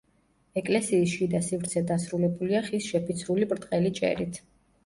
ეკლესიის შიდა სივრცე დასრულებულია ხის შეფიცრული ბრტყელი ჭერით.